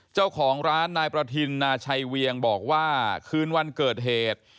เจ้าของร้านนายประทินนาชัยเวียงบอกว่าคืนวันเกิดเหตุ